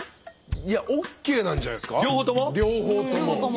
いやＯＫなんじゃないですか両方とも。